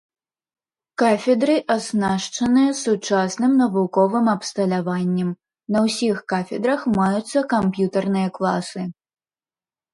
Кафедры аснашчаныя сучасным навуковым абсталяваннем, на ўсіх кафедрах маюцца камп'ютарныя класы.